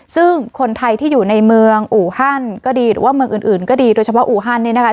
ซึ่งคนไทยที่อยู่ในเมืองอูฮันก็ดีหรือว่าเมืองอื่นก็ดีโดยเฉพาะอูฮันเนี่ยนะคะ